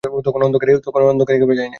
তখনো অন্ধকার একেবারে যায় নাই।